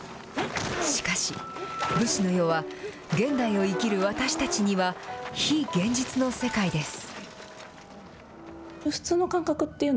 しかし、武士の世は、現代を生きる私たちには、非現実の世界です。